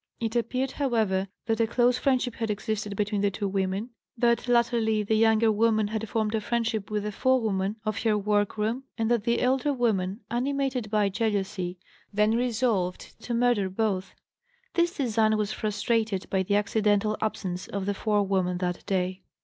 It appeared, however, that a close friendship had existed between the two women, that latterly the younger woman had formed a friendship with the forewoman of her work room, and that the elder woman, animated by jealousy, then resolved to murder both; this design was frustrated by the accidental absence of the forewoman that day.